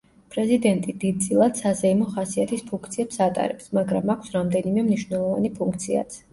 პრეზიდენტი დიდწილად საზეიმო ხასიათის ფუნქციებს ატარებს, მაგრამ აქვს რამდენიმე მნიშვნელოვანი ფუნქციაც.